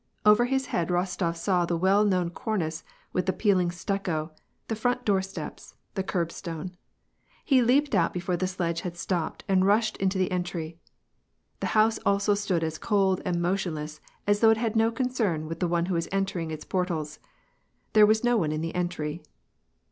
Over his. head, Rostof saw the well known cornice, with the peeling stucco, the front door steps, the curbstone. He leaped out before the sledge had stopped, and rushed into the entry. The house also stood as cold and motionless as though it had no concern with the cue who was entering its portals. There was no one in the entry.